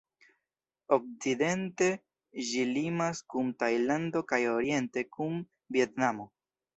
Okcidente ĝi limas kun Tajlando kaj oriente kun Vjetnamo.